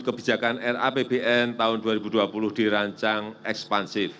kebijakan rapbn tahun dua ribu dua puluh dirancang ekspansif